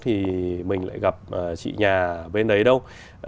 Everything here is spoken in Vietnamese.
thì mình lại gặp chị nhà bên đấy đâu